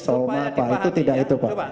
selama itu tidak itu pak